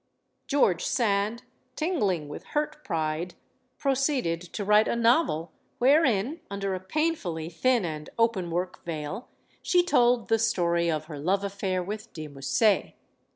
George Sand, tingling with hurt pride, proceeded to write a novel, wherein, under a painfully thin and openwork veil, she told the story of her love affair with de Musset.